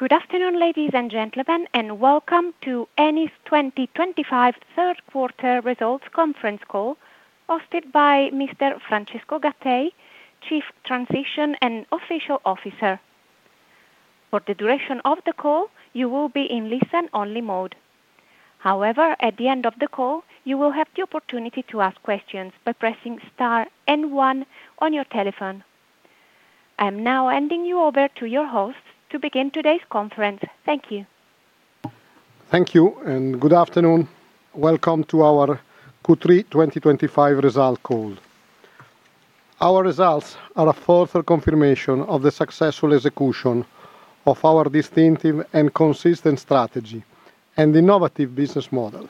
Good afternoon, ladies and gentlemen, and welcome to Eni 2025 third quarter results conference call hosted by Mr. Francesco Gattei, Chief Financial Officer. For the duration of the call, you will be in listen-only mode. However, at the end of the call, you will have the opportunity to ask questions by pressing star and one on your telephone. I'm now handing you over to your host to begin today's conference. Thank you. Thank you and good afternoon. Welcome to our Q3 2025 results call. Our results are a further confirmation of the successful execution of our distinctive and consistent strategy and innovative business model.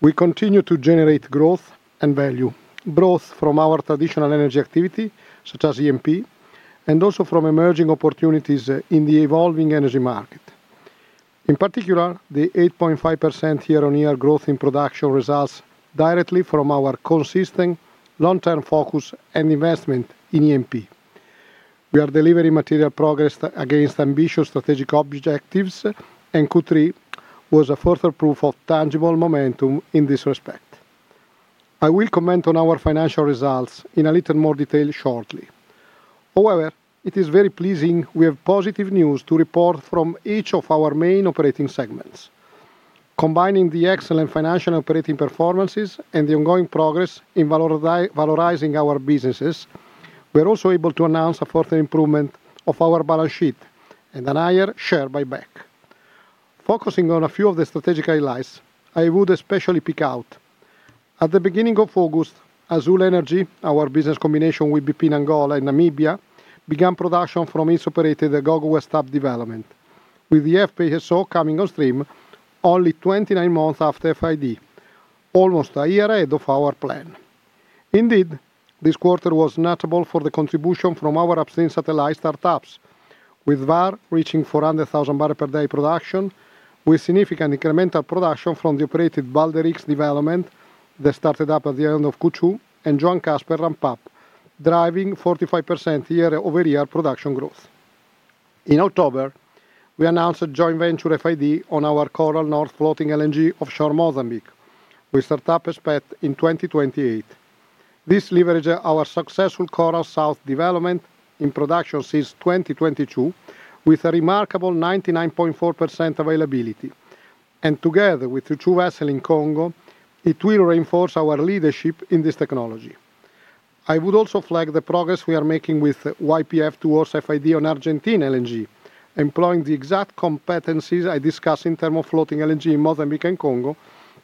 We continue to generate growth and value, both from our traditional energy activity, such as E&P, and also from emerging opportunities in the evolving energy market. In particular, the 8.5% year-on-year growth in production results directly from our consistent long-term focus and investment in E&P. We are delivering material progress against ambitious strategic objectives, and Q3 was a further proof of tangible momentum in this respect. I will comment on our financial results in a little more detail shortly. However, it is very pleasing we have positive news to report from each of our main operating segments. Combining the excellent financial and operating performances and the ongoing progress in valorizing our businesses, we're also able to announce a further improvement of our balance sheet and a higher share buyback. Focusing on a few of the strategic highlights, I would especially pick out at the beginning of August, Azule Energy, our business combination with BP in Angola, began production from its operator, the Agogo West Up Development, with the FPSO coming on stream only 29 months after FID, almost a year ahead of our plan. Indeed, this quarter was notable for the contribution from our upstream satellite startups, with VAR reaching 400,000 barrel per day production, with significant incremental production from the operator, Balder X Development, that started up at the end of Q2, and John Castberg ramp-up, driving 45% year-over-year production growth. In October, we announced a joint venture FID on our Coral North FLNG offshore Mozambique with startup expected in 2028. This leverages our successful Coral South development in production since 2022, with a remarkable 99.4% availability. Together with future vessel in Congo, it will reinforce our leadership in this technology. I would also flag the progress we are making with YPF towards FID on Argentine LNG, employing the exact competencies I discussed in terms of floating LNG in Mozambique and Congo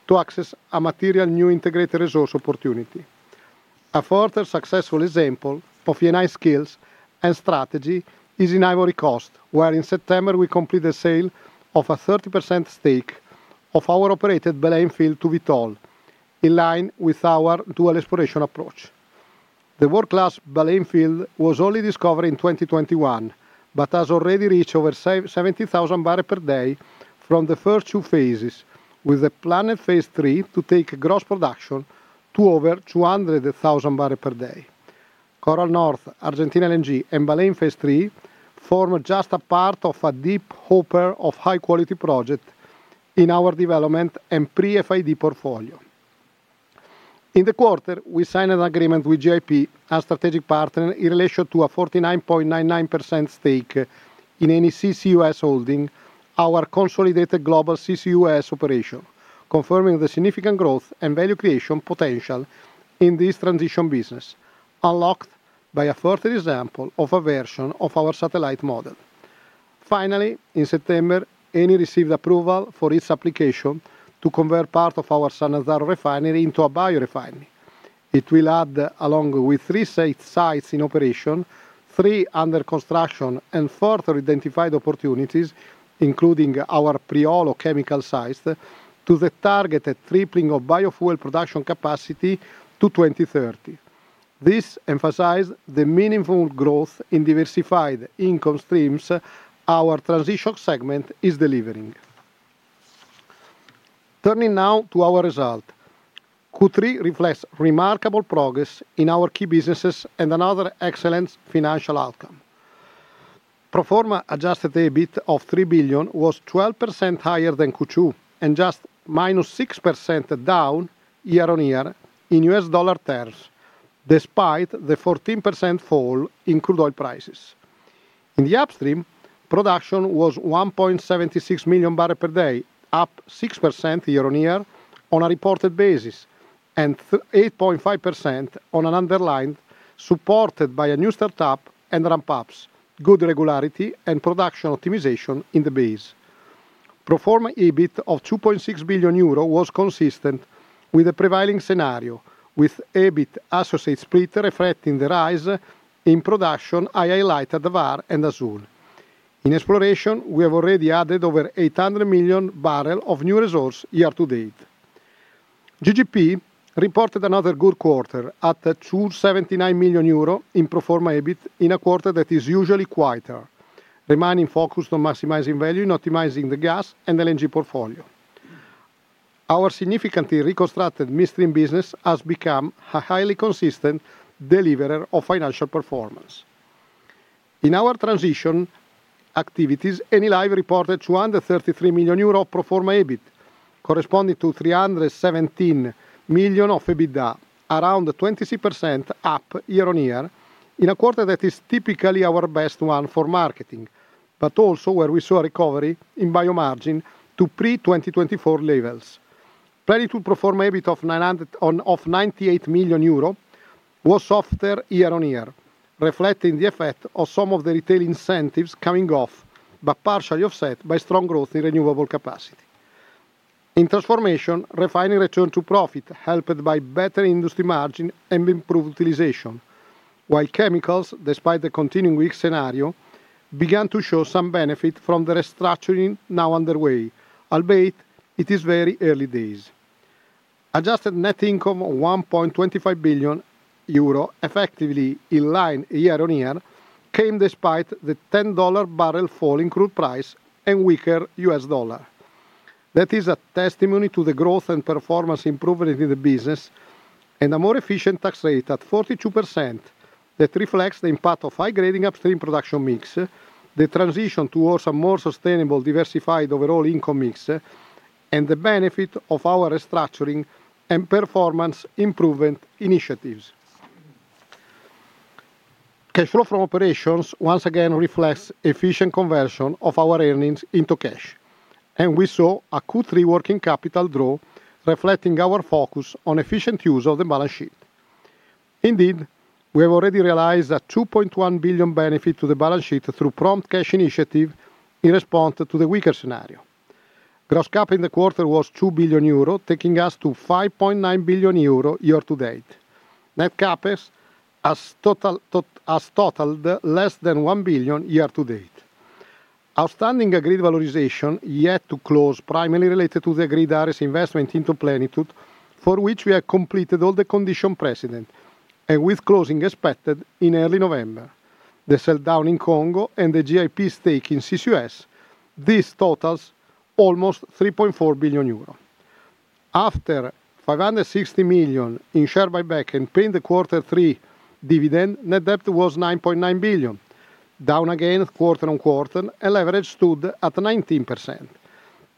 to access a material new integrated resource opportunity. A further successful example of Eni's skills and strategy is in Ivory Coast, where in September we completed a sale of a 30% stake of our operator, Baleine field to Vitol, in line with our dual exploration approach. The world-class Baleine field was only discovered in 2021, but has already reached over 70,000 barrels per day from the first two phases, with the plan in phase three to take gross production to over 200,000 barrels per day. Coral North, Argentine LNG, and Baleine phase three form just a part of a deep hopper of high-quality projects in our development and pre-FID portfolio. In the quarter, we signed an agreement with GIP, our strategic partner, in relation to a 49.99% stake in Eni CCUS Holding, our consolidated global CCUS operation, confirming the significant growth and value creation potential in this transition business, unlocked by a further example of a version of our satellite model. Finally, in September, Eni received approval for its application to convert part of our San Lazzaro refinery into a biorefinery. It will add, along with three sites in operation, three under construction and further identified opportunities, including our Priolo chemical sites, to the targeted tripling of biofuel production capacity to 2030. This emphasizes the meaningful growth in diversified income streams our transition segment is delivering. Turning now to our result, Q3 reflects remarkable progress in our key businesses and another excellent financial outcome. Pro forma adjusted EBIT of €3 billion was 12% higher than Q2 and just minus 6% down year-on-year in U.S. dollar terms, despite the 14% fall in crude oil prices. In the upstream, production was 1.76 million barrels per day, up 6% year-on-year on a reported basis, and 8.5% on an underlined supported by a new startup and ramp-ups, good regularity and production optimization in the base. Pro forma EBIT of €2.6 billion was consistent with the prevailing scenario, with EBIT associate split reflecting the rise in production I highlighted at the VAR and Azule. In exploration, we have already added over 800 million barrels of new results year to date. GGP reported another good quarter at €279 million in pro forma EBIT in a quarter that is usually quieter, remaining focused on maximizing value and optimizing the gas and LNG portfolio. Our significantly reconstructed midstream business has become a highly consistent deliverer of financial performance. In our transition activities, Enilive reported €233 million of pro forma EBIT, corresponding to €317 million of EBITDA, around 26% up year-on-year in a quarter that is typically our best one for marketing, but also where we saw a recovery in bio margin to pre-2024 levels. Plenitude pro forma EBIT of €98 million was softer year-on-year, reflecting the effect of some of the retail incentives coming off, but partially offset by strong growth in renewable capacity. In transformation, refining returned to profit, helped by better industry margin and improved utilization, while chemicals, despite the continuing weak scenario, began to show some benefit from the restructuring now underway, albeit it is very early days. Adjusted net income of €1.25 billion, effectively in line year-on-year, came despite the $10 per barrel fall in crude price and weaker U.S. dollar. That is a testimony to the growth and performance improvement in the business and a more efficient tax rate at 42% that reflects the impact of high-grading upstream production mix, the transition towards a more sustainable, diversified overall income mix, and the benefit of our restructuring and performance improvement initiatives. Cash flow from operations once again reflects efficient conversion of our earnings into cash, and we saw a Q3 working capital draw reflecting our focus on efficient use of the balance sheet. Indeed, we have already realized a €2.1 billion benefit to the balance sheet through prompt cash initiative in response to the weaker scenario. Gross CapEx in the quarter was €2 billion, taking us to €5.9 billion year to date. Net CapEx has totaled less than €1 billion year to date. Outstanding agreed valorization yet to close, primarily related to the agreed RS investment into Plenitude, for which we have completed all the conditions precedent, and with closing expected in early November. The sell down in Congo and the GIP stake in CCUS, this totals almost €3.4 billion. After €560 million in share buyback and paying the Q3 dividend, net debt was €9.9 billion, down again quarter on quarter, and leverage stood at 19%.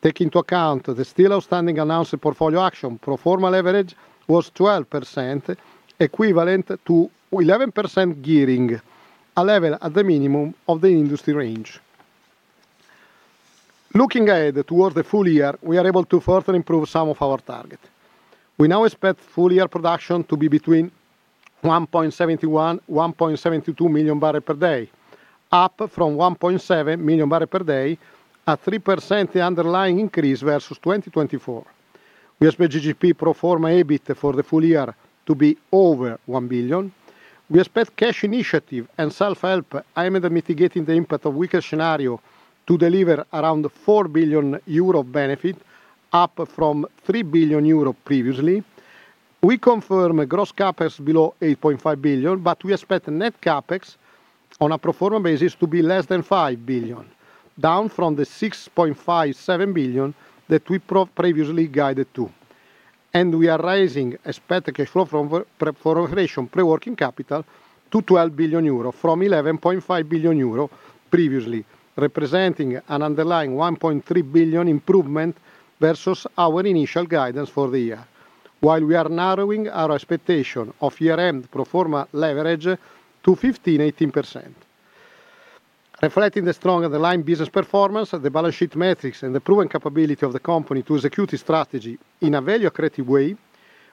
Taking into account the still outstanding announced portfolio action, pro forma leverage was 12%, equivalent to 11% gearing, a level at the minimum of the industry range. Looking ahead towards the full year, we are able to further improve some of our targets. We now expect full year production to be between 1.71 and 1.72 million barrels per day, up from 1.7 million barrels per day, a 3% underlying increase versus 2024. We expect GGP pro forma EBIT for the full year to be over €1 billion. We expect cash initiative and self-help aimed at mitigating the impact of weaker scenario to deliver around €4 billion of benefit, up from €3 billion previously. We confirm gross CapEx below €8.5 billion, but we expect net CapEx on a pro forma basis to be less than €5 billion, down from the €6.57 billion that we previously guided to. We are raising expected cash flow from preparation pre-working capital to €12 billion, from €11.5 billion previously, representing an underlying €1.3 billion improvement versus our initial guidance for the year, while we are narrowing our expectation of year-end pro forma leverage to 15-18%. Reflecting the strong underlying business performance, the balance sheet metrics, and the proven capability of the company to execute its strategy in a value-accretive way,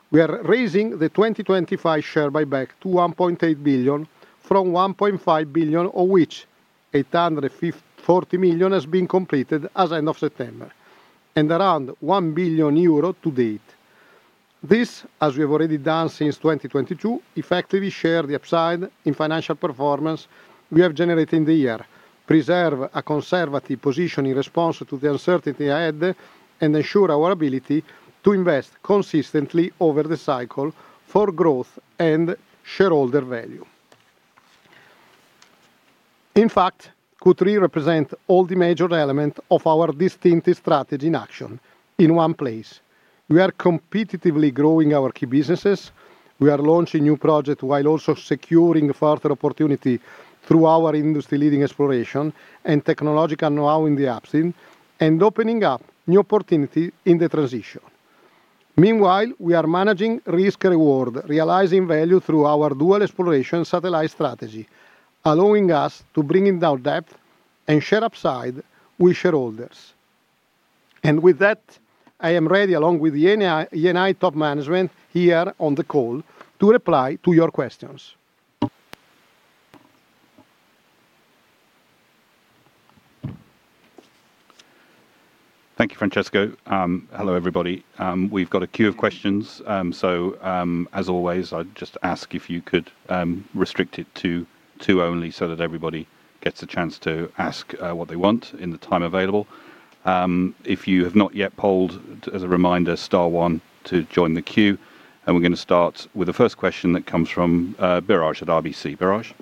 we are raising the 2025 share buyback to €1.8 billion, from €1.5 billion of which €840 million has been completed as of end of September, and around €1 billion to date. This, as we have already done since 2022, effectively shares the upside in financial performance we have generated in the year, preserving a conservative position in response to the uncertainty ahead and ensuring our ability to invest consistently over the cycle for growth and shareholder value. In fact, Q3 represents all the major elements of our distinct strategy in action in one place. We are competitively growing our key businesses. We are launching new projects while also securing further opportunity through our industry-leading exploration and technological knowledge in the upstream and opening up new opportunities in the transition. Meanwhile, we are managing risk-reward, realizing value through our dual exploration satellite strategy, allowing us to bring in our debt and share upside with shareholders. With that, I am ready, along with the Eni top management here on the call, to reply to your questions. Thank you, Francesco. Hello everybody. We've got a queue of questions. As always, I'd just ask if you could restrict it to two only so that everybody gets a chance to ask what they want in the time available. If you have not yet polled, as a reminder, star one to join the queue. We're going to start with the first question that comes from Birraj at RBC. Birraj.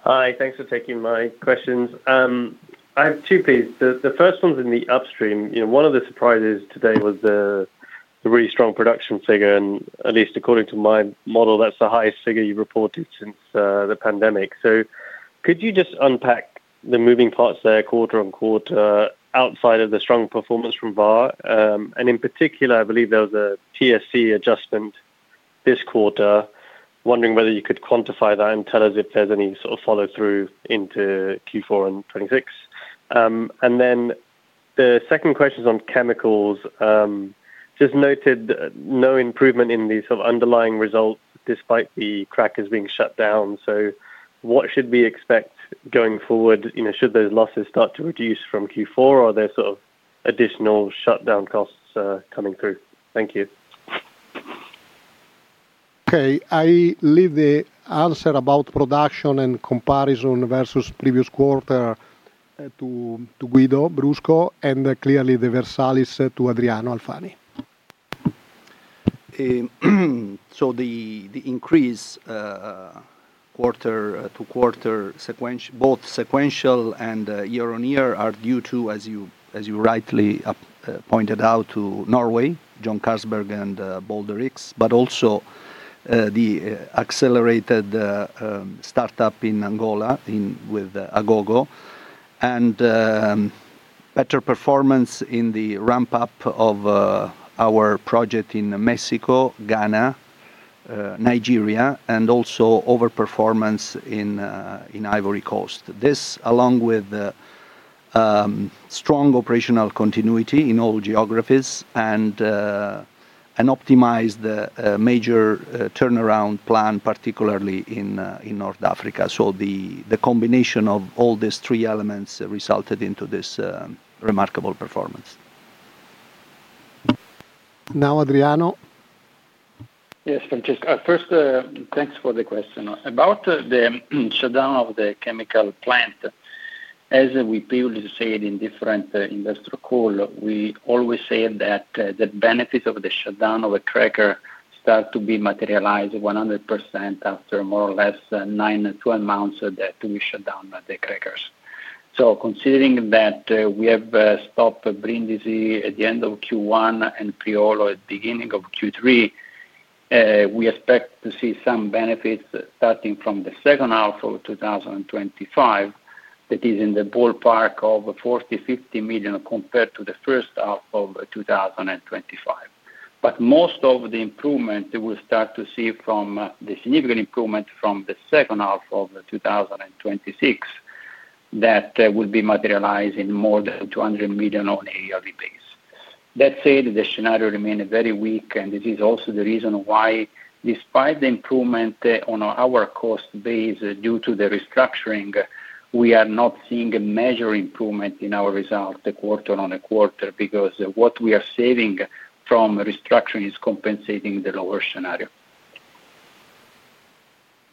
Hi, thanks for taking my questions. I have two please. The first one's in the upstream. One of the surprises today was the really strong production figure, and at least according to my model, that's the highest figure you reported since the pandemic. Could you just unpack the moving parts there quarter on quarter outside of the strong performance from VAR? In particular, I believe there was a TSC adjustment this quarter. Wondering whether you could quantify that and tell us if there's any sort of follow-through into Q4 and 2026. The second question is on chemicals. Just noted no improvement in the sort of underlying result despite the crackers being shut down. What should we expect going forward? Should those losses start to reduce from Q4 or are there sort of additional shutdown costs coming through? Thank you. Okay, I leave the answer about production and comparison versus previous quarter to Guido Brusco, and clearly the Versalis to Adriano Alfani. The increase quarter to quarter, both sequential and year-on-year, are due to, as you rightly pointed out, Norway, John Castberg and Balder X, but also the accelerated startup in Angola with Agogo and better performance in the ramp-up of our project in Mexico, Ghana, Nigeria, and also overperformance in Ivory Coast. This, along with strong operational continuity in all geographies and an optimized major turnaround plan, particularly in North Africa, resulted in this remarkable performance. Now, Adriano. Yes, first, thanks for the question. About the shutdown of the chemical plant, as we previously said in different industrial calls, we always say that the benefits of the shutdown of a cracker start to be materialized 100% after more or less nine to twelve months that we shut down the crackers. Considering that we have stopped Brindisi at the end of Q1 and Priolo at the beginning of Q3, we expect to see some benefits starting from the second half of 2025. That is in the ballpark of $40 million to $50 million compared to the first half of 2025. Most of the improvement will start to see from the significant improvement from the second half of 2026 that will be materialized in more than $200 million on a yearly basis. That said, the scenario remains very weak, and this is also the reason why, despite the improvement on our cost base due to the restructuring, we are not seeing a major improvement in our result quarter on quarter because what we are saving from restructuring is compensating the lower scenario.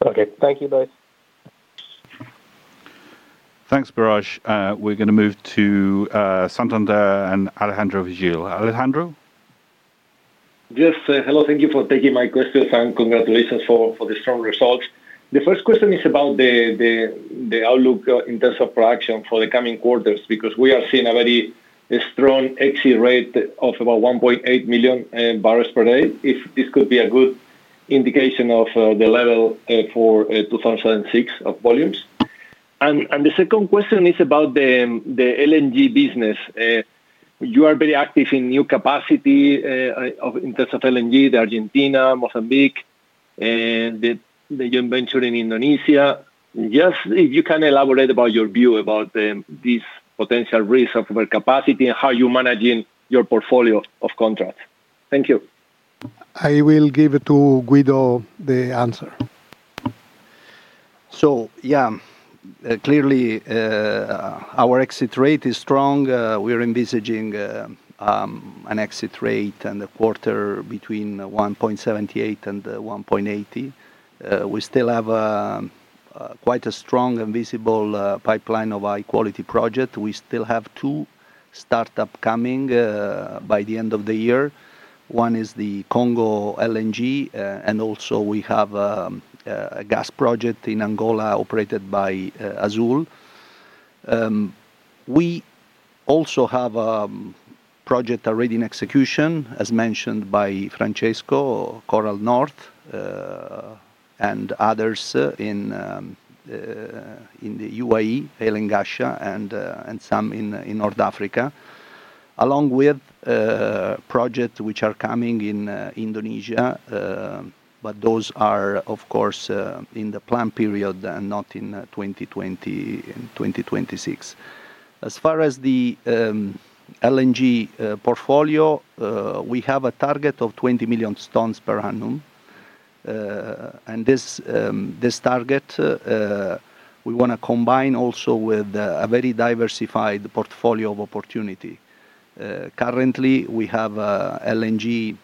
Okay, thank you both. Thanks, Birraj. We're going to move to Santander and Alejandro Vigil. Alejandro? Yes, hello, thank you for taking my questions and congratulations for the strong results. The first question is about the outlook in terms of production for the coming quarters because we are seeing a very strong exit rate of about 1.8 million barrels per day. This could be a good indication of the level for 2026 of volumes. The second question is about the LNG business. You are very active in new capacity in terms of LNG, the Argentina, Mozambique, and the joint venture in Indonesia. Just if you can elaborate about your view about these potential risks of overcapacity and how you're managing your portfolio of contracts. Thank you. I will give it to Guido for the answer. Yeah, clearly our exit rate is strong. We are envisaging an exit rate in the quarter between 1.78 and 1.80. We still have quite a strong and visible pipeline of high-quality projects. We still have two startups coming by the end of the year. One is the Congo LNG, and also we have a gas project in Angola operated by Azule. We also have a project already in execution, as mentioned by Francesco, Coral North, and others in the UAE, Elengasha, and some in North Africa, along with projects which are coming in Indonesia, but those are, of course, in the planned period and not in 2020 and 2026. As far as the LNG portfolio, we have a target of 20 million tons per annum, and this target we want to combine also with a very diversified portfolio of opportunity. Currently, we have LNG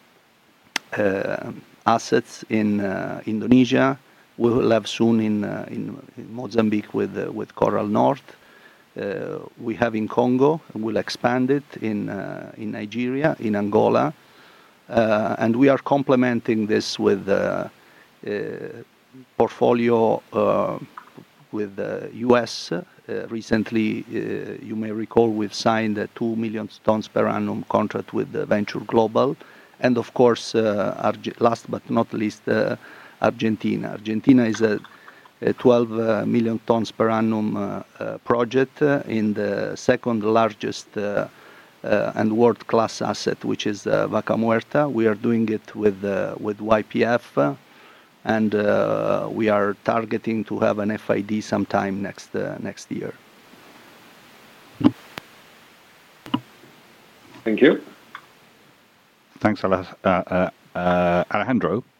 assets in Indonesia. We will have soon in Mozambique with Coral North. We have in Congo, and we'll expand it in Nigeria, in Angola. We are complementing this with a portfolio with the U.S. Recently, you may recall we've signed a 2 million tons per annum contract with Venture Global. Of course, last but not least, Argentina. Argentina is a 12 million tons per annum project in the second largest and world-class asset, which is Vaca Muerta. We are doing it with YPF, and we are targeting to have an FID sometime next year. Thank you. Thanks, Alejandro.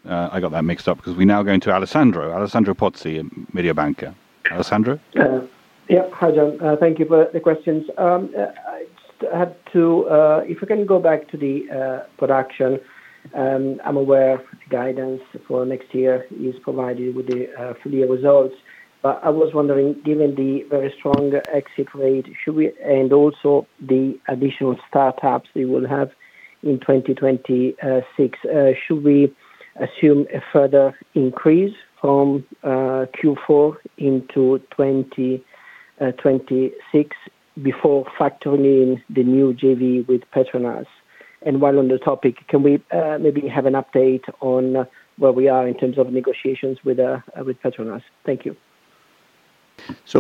I got that mixed up because we're now going to Alessandro. Alessandro Pozzi, Media Banker. Alessandro? Yep, hi, John. Thank you for the questions. I just had to, if we can go back to the production, I'm aware guidance for next year is provided with the full year results. I was wondering, given the very strong exit rate, should we, and also the additional startups we will have in 2026, should we assume a further increase from Q4 into 2026 before factoring in the new JV with Petronas? While on the topic, can we maybe have an update on where we are in terms of negotiations with Petronas? Thank you. As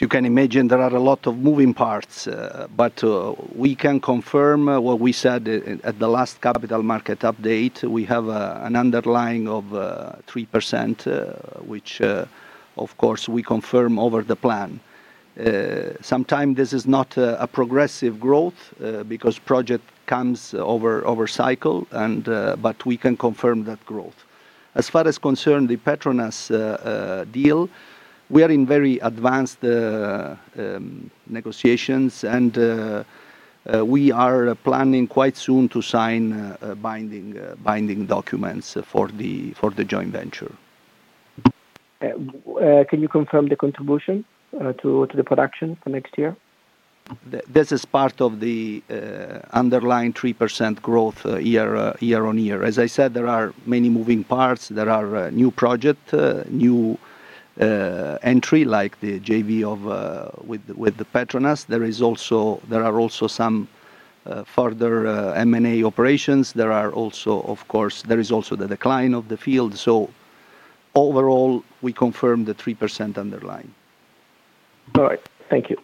you can imagine, there are a lot of moving parts, but we can confirm what we said at the last capital market update. We have an underlying of 3%, which, of course, we confirm over the plan. Sometimes this is not a progressive growth because the project comes over cycle, but we can confirm that growth. As far as concerned the Petronas deal, we are in very advanced negotiations, and we are planning quite soon to sign binding documents for the joint venture. Can you confirm the contribution to the production for next year? This is part of the underlying 3% growth year on year. As I said, there are many moving parts. There are new projects, new entries like the JV with Petronas, and there are also some further M&A operations. Of course, there is also the decline of the field. Overall, we confirm the 3% underlying. All right, thank you.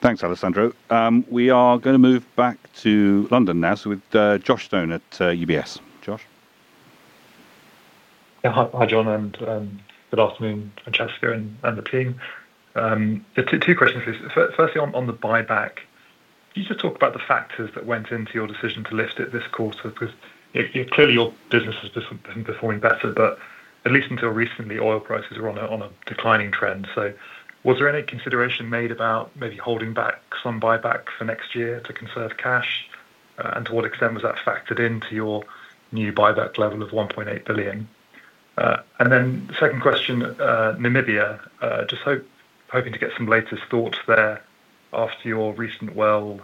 Thanks, Alessandro. We are going to move back to London now, with Josh Stone at UBS. Josh. Hi, John, and good afternoon, Francesco, and the team. Two questions, please. Firstly, on the buyback, could you just talk about the factors that went into your decision to lift it this quarter? Clearly your business has been performing better, but at least until recently, oil prices were on a declining trend. Was there any consideration made about maybe holding back some buyback for next year to conserve cash? To what extent was that factored into your new buyback level of $1.8 billion? The second question, Namibia, just hoping to get some latest thoughts there after your recent well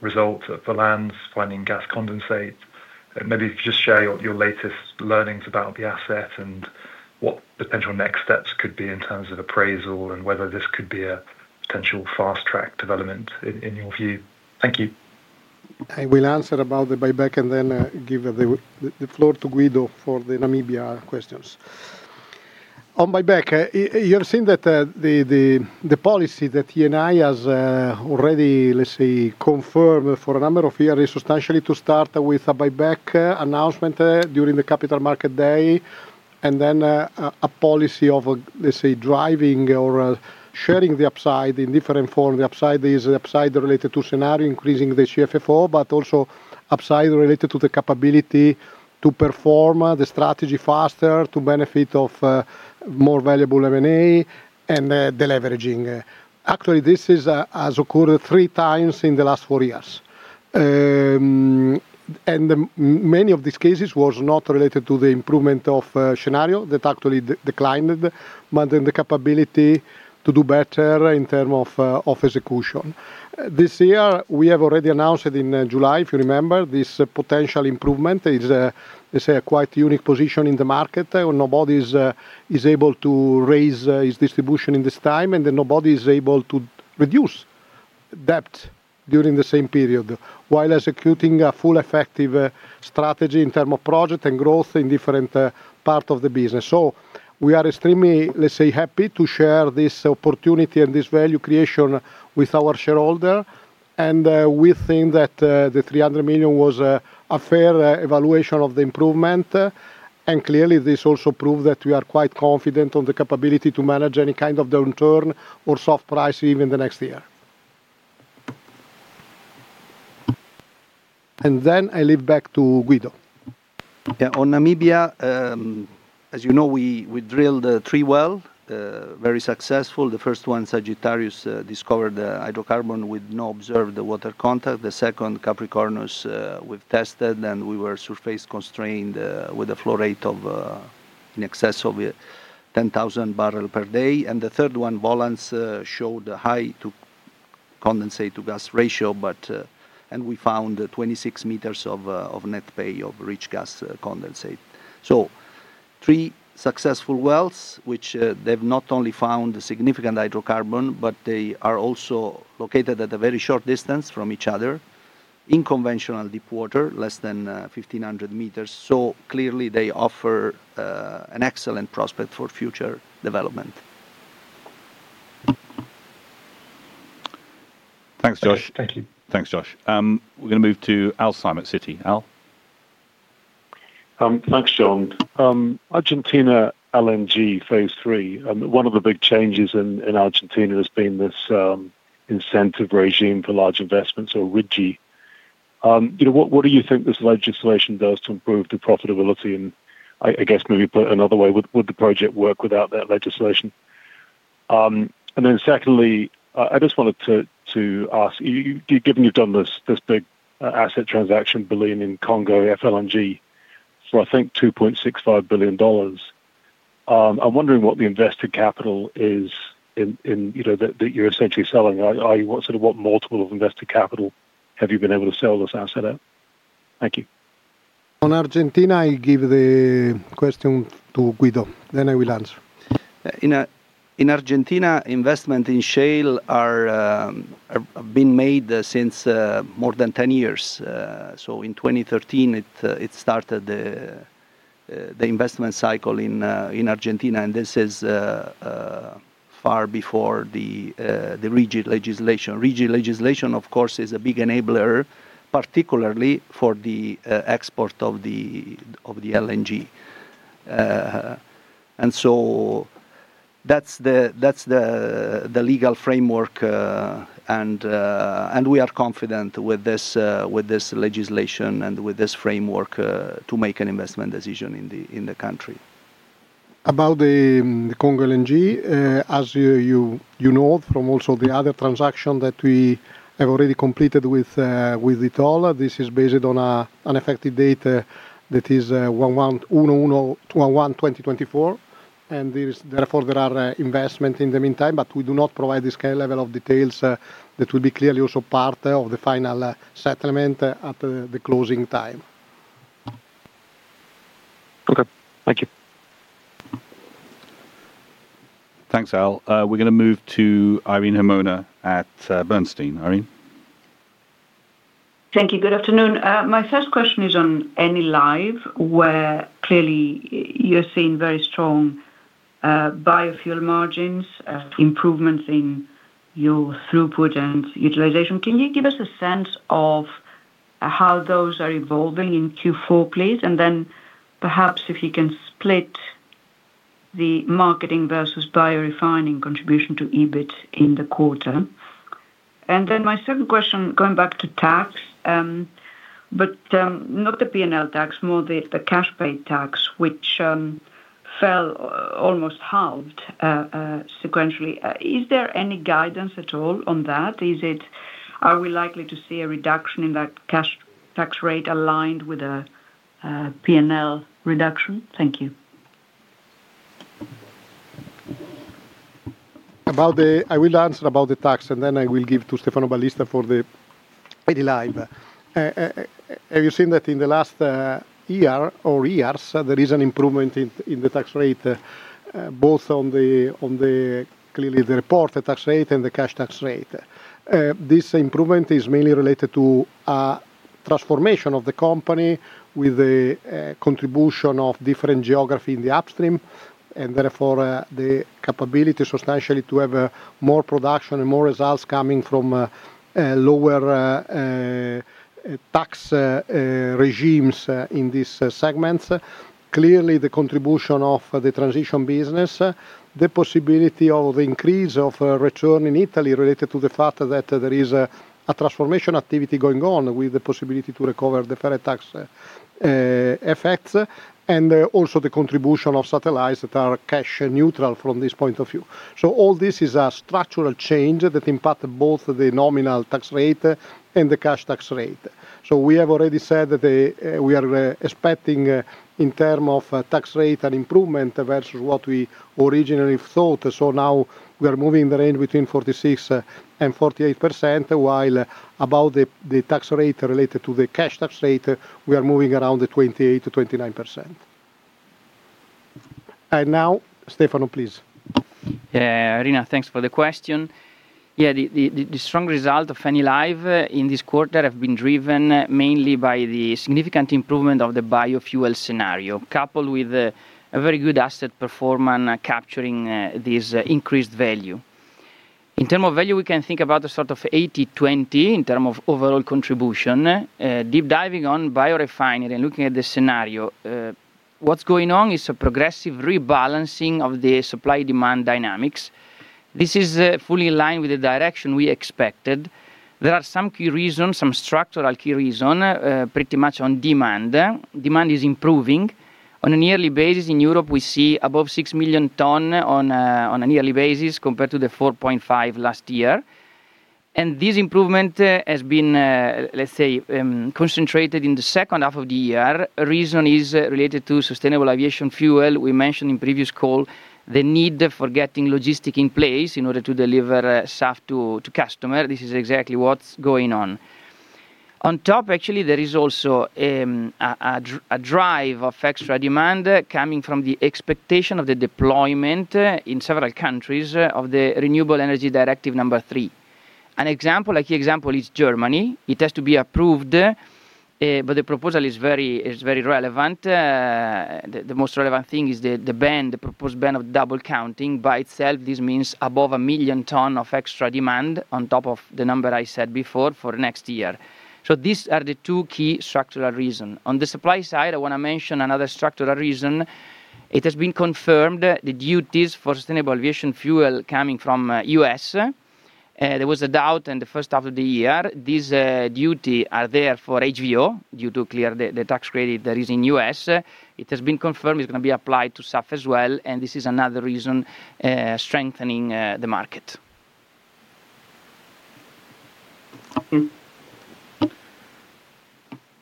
results at Valance finding gas condensate. Maybe you could just share your latest learnings about the asset and what the potential next steps could be in terms of appraisal and whether this could be a potential fast-track development in your view. Thank you. I will answer about the buyback and then give the floor to Guido for the Namibia questions. On buyback, you have seen that the policy that Eni has already, let's say, confirmed for a number of years is substantially to start with a buyback announcement during the capital market day, and then a policy of, let's say, driving or sharing the upside in different forms. The upside is the upside related to scenario increasing the CFFO, but also upside related to the capability to perform the strategy faster to benefit of more valuable M&A and the leveraging. Actually, this has occurred three times in the last four years. Many of these cases were not related to the improvement of scenario that actually declined, but the capability to do better in terms of execution. This year, we have already announced it in July, if you remember, this potential improvement is a quite unique position in the market. Nobody is able to raise its distribution in this time, and nobody is able to reduce debt during the same period while executing a full effective strategy in terms of project and growth in different parts of the business. We are extremely, let's say, happy to share this opportunity and this value creation with our shareholder, and we think that the $300 million was a fair evaluation of the improvement. Clearly, this also proves that we are quite confident on the capability to manage any kind of downturn or soft price even in the next year. I leave back to Guido. Yeah, on Namibia, as you know, we drilled three wells, very successful. The first one, Sagittarius, discovered hydrocarbon with no observed water contact. The second, Capricornus, we've tested, and we were surface constrained with a flow rate in excess of 10,000 barrels per day. The third one, Valance, showed a high condensate-to-gas ratio, but we found 26 meters of net pay of rich gas condensate. Three successful wells have not only found significant hydrocarbon, but they are also located at a very short distance from each other in conventional deep water, less than 1,500 meters. Clearly, they offer an excellent prospect for future development. Thanks, Josh. Thank you. Thanks, Josh. We're going to move to Alzheimer's City. Al. Thanks, John. Argentine LNG Phase Three, one of the big changes in Argentina has been this incentive regime for large investments, or RIGI. What do you think this legislation does to improve the profitability? I guess maybe put it another way, would the project work without that legislation? Secondly, I just wanted to ask, given you've done this big asset transaction, Baleine in Congo, FLNG for I think $2.65 billion, I'm wondering what the invested capital is in, you know, that you're essentially selling. What sort of multiple of invested capital have you been able to sell this asset at? Thank you. On Argentina, I'll give the question to Guido. I will answer. In Argentina, investments in shale have been made since more than 10 years. In 2013, it started the investment cycle in Argentina, and this is far before the RIGI legislation. RIGI legislation, of course, is a big enabler, particularly for the export of the LNG. That's the legal framework, and we are confident with this legislation and with this framework to make an investment decision in the country. About the Congo LNG, as you know from also the other transaction that we have already completed with Vitol, this is based on an effective date that is 01/01/2024, and therefore, there are investments in the meantime, but we do not provide the scale level of details that will be clearly also part of the final settlement at the closing time. Okay, thank you. Thanks, Al. We're going to move to Irene Hermona at Bernstein. Irene. Thank you. Good afternoon. My first question is on Enilive, where clearly you're seeing very strong biofuel margins, improvements in your throughput and utilization. Can you give us a sense of how those are evolving in Q4, please? Perhaps if you can split the marketing versus biorefining contribution to EBIT in the quarter. My second question, going back to tax, but not the P&L tax, more the cash paid tax, which fell almost halved sequentially. Is there any guidance at all on that? Are we likely to see a reduction in that cash tax rate aligned with a P&L reduction? Thank you. I will answer about the tax, and then I will give it to Stefano Ballista for the Enilive. Have you seen that in the last year or years, there is an improvement in the tax rate, both on the clearly the reported tax rate and the cash tax rate? This improvement is mainly related to a transformation of the company with the contribution of different geographies in the upstream, and therefore the capability substantially to have more production and more results coming from lower tax regimes in these segments. Clearly, the contribution of the transition business, the possibility of the increase of return in Italy related to the fact that there is a transformation activity going on with the possibility to recover the ferret tax effects, and also the contribution of satellites that are cash neutral from this point of view. All this is a structural change that impacts both the nominal tax rate and the cash tax rate. We have already said that we are expecting in terms of tax rate an improvement versus what we originally thought. Now we are moving in the range between 46% and 48%, while about the tax rate related to the cash tax rate, we are moving around the 28% to 29%. And now, Stefano, please. Yeah, Irina, thanks for the question. The strong results of Enilive in this quarter have been driven mainly by the significant improvement of the biofuel scenario, coupled with a very good asset performance capturing this increased value. In terms of value, we can think about a sort of 80-20 in terms of overall contribution. Deep diving on biorefining and looking at the scenario, what's going on is a progressive rebalancing of the supply-demand dynamics. This is fully in line with the direction we expected. There are some key reasons, some structural key reasons, pretty much on demand. Demand is improving. On a yearly basis in Europe, we see above 6 million tons on a yearly basis compared to the 4.5 million last year. This improvement has been, let's say, concentrated in the second half of the year. The reason is related to sustainable aviation fuel. We mentioned in the previous call the need for getting logistics in place in order to deliver SAF to customers. This is exactly what's going on. On top, actually, there is also a drive of extra demand coming from the expectation of the deployment in several countries of the Renewable Energy Directive Number 3. An example, a key example, is Germany. It has to be approved, but the proposal is very relevant. The most relevant thing is the ban, the proposed ban of double counting by itself. This means above a million tons of extra demand on top of the number I said before for next year. These are the two key structural reasons. On the supply side, I want to mention another structural reason. It has been confirmed the duties for sustainable aviation fuel coming from the U.S. There was a doubt in the first half of the year. These duties are there for HVO due to clear the tax credit that is in the U.S. It has been confirmed it's going to be applied to SAF as well, and this is another reason strengthening the market.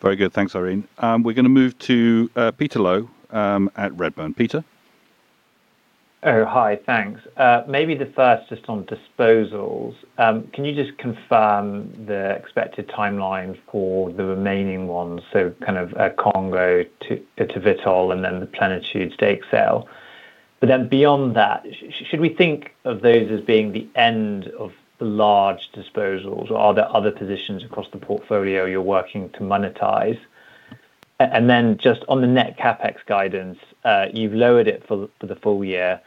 Very good. Thanks, Irene. We're going to move to Peter Lowe at Redburn. Peter? Hi, thanks. Maybe the first just on disposals. Can you just confirm the expected timelines for the remaining ones? Congo to Vitol and then the Plenitude stake sale. Beyond that, should we think of those as being the end of the large disposals, or are there other positions across the portfolio you're working to monetize? On the net CapEx guidance, you've lowered it for the full year,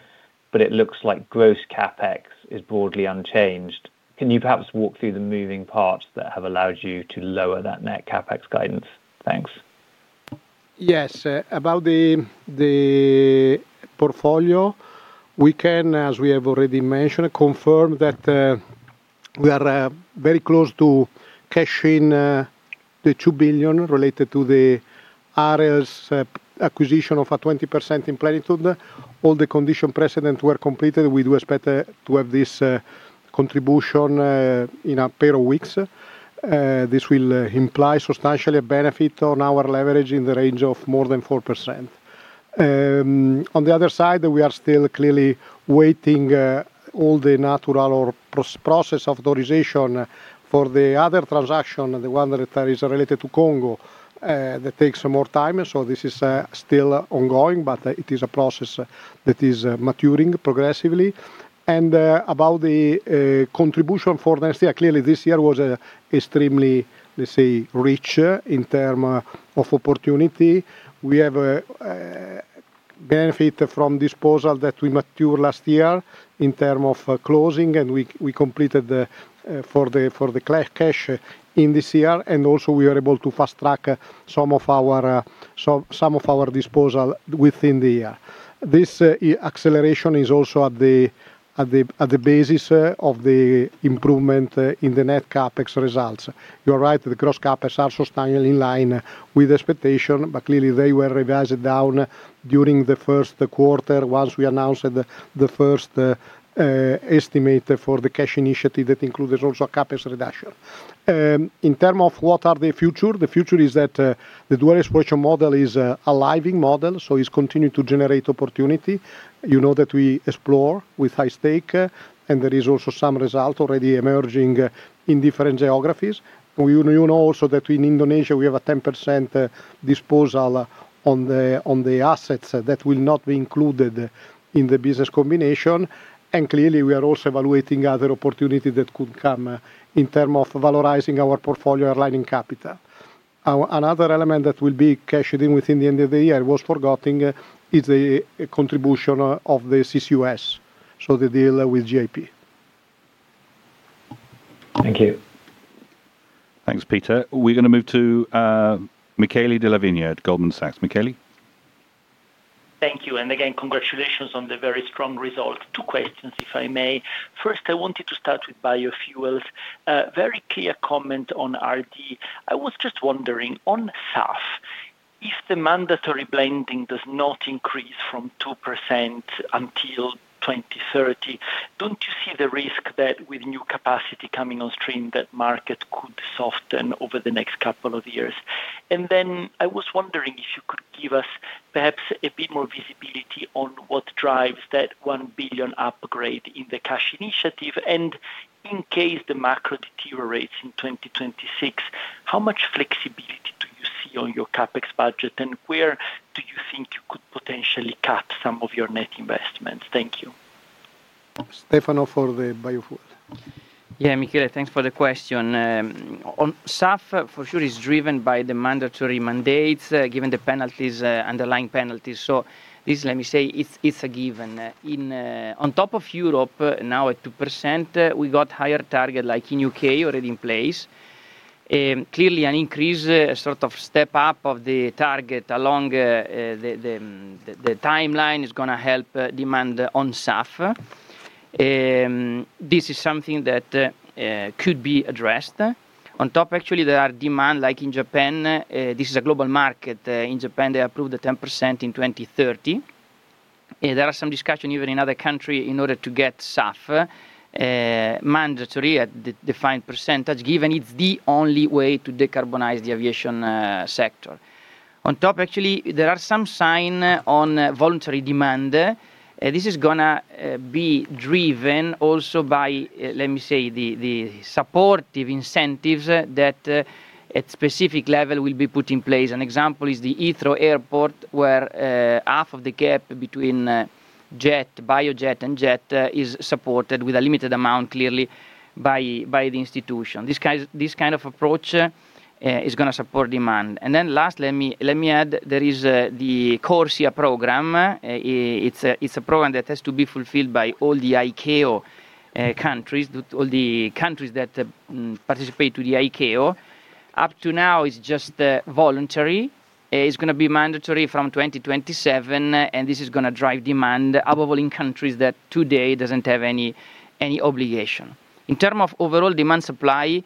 but it looks like gross CapEx is broadly unchanged. Can you perhaps walk through the moving parts that have allowed you to lower that net CapEx guidance? Thanks. Yes, about the portfolio, we can, as we have already mentioned, confirm that we are very close to cashing the $2 billion related to the ARL's acquisition of 20% in Plenitude. All the conditions precedent were completed. We do expect to have this contribution in a pair of weeks. This will imply substantially a benefit on our leverage in the range of more than 4%. On the other side, we are still clearly waiting all the natural or process of authorization for the other transaction, the one that is related to Congo, that takes more time. This is still ongoing, but it is a process that is maturing progressively. About the contribution for next year, clearly this year was extremely, let's say, rich in terms of opportunity. We have benefited from disposal that we matured last year in terms of closing, and we completed for the cash in this year. Also, we were able to fast track some of our disposal within the year. This acceleration is also at the basis of the improvement in the net CapEx results. You are right that the gross CapEx are substantially in line with expectation, but clearly they were revised down during the first quarter once we announced the first estimate for the cash initiative that included also a CapEx reduction. In terms of what are the future, the future is that the dual exploration model is a living model, so it's continuing to generate opportunity. You know that we explore with high stake, and there is also some result already emerging in different geographies. You know also that in Indonesia, we have a 10% disposal on the assets that will not be included in the business combination. Clearly, we are also evaluating other opportunities that could come in terms of valorizing our portfolio and lining capital. Another element that will be cashed in within the end of the year, it was forgotten, is the contribution of the CCUS, so the deal with GIP. Thank you. Thanks, Peter. We're going to move to Michele Della Vigna at Goldman Sachs. Michele? Thank you, and again, congratulations on the very strong result. Two questions, if I may. First, I wanted to start with biofuels. Very clear comment on RD, I was just wondering on SAF, if the mandatory blending does not increase from 2% until 2030, don't you see the risk that with new capacity coming on stream, that market could soften over the next couple of years? I was wondering if you could give us perhaps a bit more visibility on what drives that $1 billion upgrade in the cash initiative. In case the macro deteriorates in 2026, how much flexibility do you see on your CapEx budget, and where do you think you could potentially cut some of your net investments? Thank you. Stefano for the biofuel. Yeah, Michele, thanks for the question. SAF for sure is driven by the mandatory mandates, given the underlying penalties. This, let me say, it's a given. On top of Europe, now at 2%, we got a higher target like in the UK already in place. Clearly, an increase, a sort of step up of the target along the timeline is going to help demand on SAF. This is something that could be addressed. On top, actually, there are demands like in Japan. This is a global market. In Japan, they approved the 10% in 2030. There are some discussions even in other countries in order to get SAF mandatory at the defined percentage, given it's the only way to decarbonize the aviation sector. On top, actually, there are some signs on voluntary demand. This is going to be driven also by, let me say, the supportive incentives that at a specific level will be put in place. An example is the Heathrow Airport, where half of the gap between biojet and jet is supported with a limited amount, clearly, by the institution. This kind of approach is going to support demand. Last, let me add, there is the Corsia program. It's a program that has to be fulfilled by all the ICAO countries, all the countries that participate to the ICAO. Up to now, it's just voluntary. It's going to be mandatory from 2027, and this is going to drive demand, above all in countries that today don't have any obligation. In terms of overall demand supply,